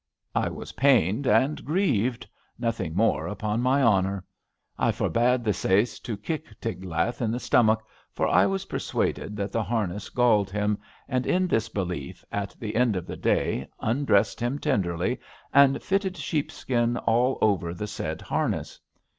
I was pained and grieved — ^nothing more, upon my honour. I forbade the sais to kick Tiglath in the stomach, for I was persuaded that the harness galled him, and, in this belief, at the end of the day, undressed him tenderly and fitted sheepskin all over the said harness.